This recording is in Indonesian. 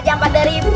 yang lain gitu